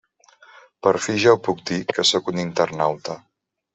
Per fi ja ho puc dir, que sóc un internauta.